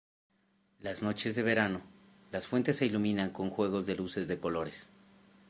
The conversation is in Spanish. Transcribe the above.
Las noches de verano, las fuentes se iluminan con juegos de luces de colores.